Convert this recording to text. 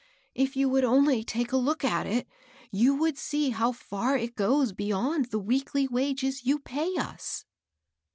If you would only look at it, you would see how far it goes beyond the weekly wages you pay us."